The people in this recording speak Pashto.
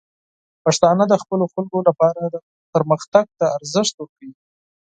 پښتانه د خپلو خلکو لپاره پرمختګ ته ارزښت ورکوي.